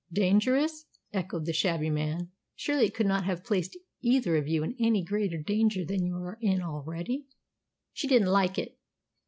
"Dangerous!" echoed the shabby man. "Surely it could not have placed either of you in any greater danger than you are in already?" "She didn't like it."